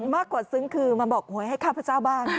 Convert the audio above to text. มากกว่าซึ้งคือมาบอกหวยให้ข้าพเจ้าบ้าง